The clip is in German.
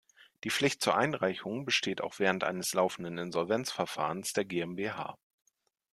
Die Pflicht zur Einreichung besteht auch während eines laufenden Insolvenzverfahrens der GmbH.